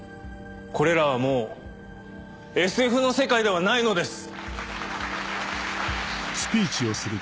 これらはもうＳＦの世界ではないのです。